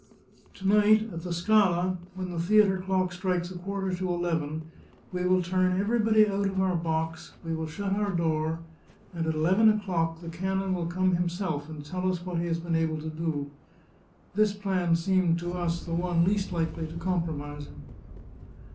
" To night, at the Scala, when the theatre clock strikes a quarter to eleven, we will turn everybody out of our box, we will shut our door, and at eleven o'clock the canon will come himself, and tell us what he has been able to do. This plan seemed to us the one least likely to compromise him."